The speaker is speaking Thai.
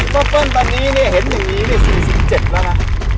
เปิ้ลตอนนี้เห็นอย่างนี้นี่๔๗แล้วนะ